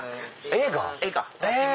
映画？